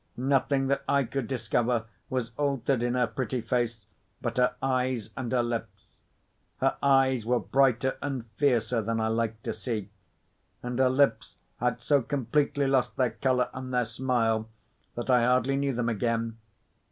Nothing that I could discover was altered in her pretty face, but her eyes and her lips. Her eyes were brighter and fiercer than I liked to see; and her lips had so completely lost their colour and their smile that I hardly knew them again.